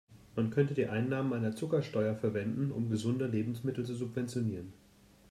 Man könnte die Einnahmen einer Zuckersteuer verwenden, um gesunde Lebensmittel zu subventionieren.